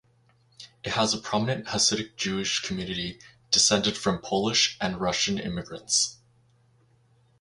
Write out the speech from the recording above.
It has a prominent Hasidic Jewish community, descended from Polish and Russian immigrants.